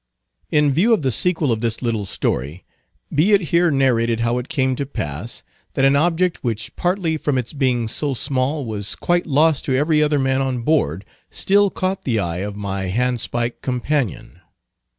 In view of the sequel of this little story, be it here narrated how it came to pass, that an object which partly from its being so small was quite lost to every other man on board, still caught the eye of my handspike companion.